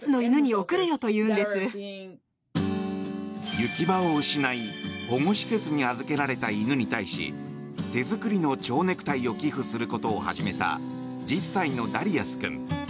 行き場を失い保護施設に預けられた犬に対し手作りの蝶ネクタイを寄付することを始めた１０歳のダリアス君。